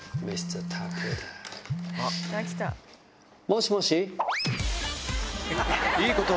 もしもし。